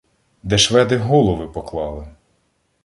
Де шведи голови поклали